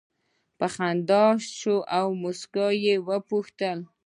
په خندا شو او سکاره یې وپوښتل.